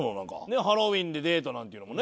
ハロウィーンでデートなんていうのもね。